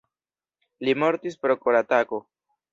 Li mortis pro koratako.